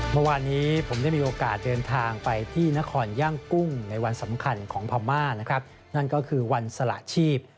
เมื่อวานนี้ผมได้มีโอกาสเดินทางไปที่นครย่างกุ้งในวันสำคัญของพม่านะครับนั่นก็คือวันสละชีพ